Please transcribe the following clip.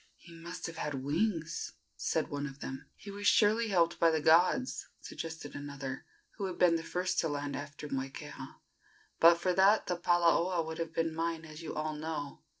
"He must have had wings," said one of them. "He was surely helped by the gods," suggested another, who had been the first to land after Moikeha. "But for that the palaoa would have been mine, as you all know.